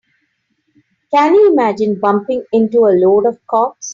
Can you imagine bumping into a load of cops?